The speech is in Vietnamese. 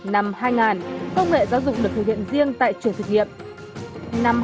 năm hai nghìn công nghệ giáo dục được thực hiện riêng tại trường thực nghiệm